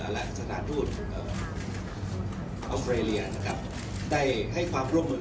และสถานทูตออสเตรเลียได้ให้ความร่วมมือ